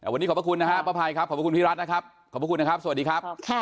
วันนี้ขอบพระคุณนะฮะป้าภัยครับขอบคุณพี่รัฐนะครับขอบพระคุณนะครับสวัสดีครับ